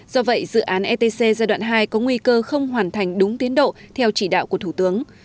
do vậy dự án etc giai đoạn hai có nguy cơ không hoàn thành đúng tiến độ theo chỉ đạo của thủ tướng